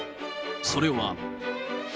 それは。